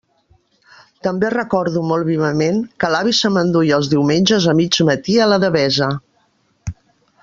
També recordo molt vivament que l'avi se m'enduia els diumenges a mig matí a la Devesa.